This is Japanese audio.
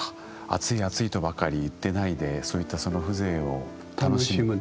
暑い暑いとばかり言ってないでそういったその風情を楽しむ。